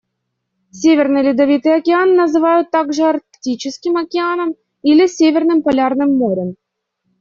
Северный Ледовитый Океан называют также Арктическим Океаном или Северным Полярным Морем.